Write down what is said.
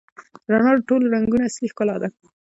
رڼا د ټولو رنګونو اصلي ښکلا ده.